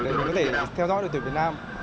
để mình có thể theo dõi đội tuyển việt nam